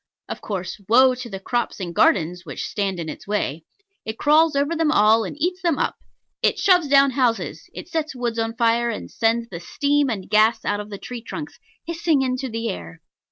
Of course, woe to the crops and gardens which stand in its way. It crawls over them all and eats them up. It shoves down houses; it sets woods on fire, and sends the steam and gas out of the tree trunks hissing into the air.